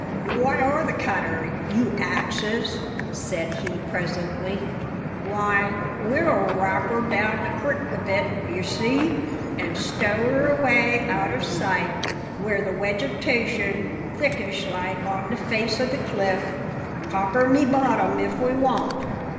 "What o' the cutter? you axes," said he presently. "Why, we'll wrarp her down the crik a bit, d'ye see, an' stow her away out o' sight where the wegitation's thickish like on the face o' the cliff; copper my bottom if we won't!"